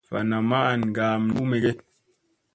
Va namma an ngaam ni u mige.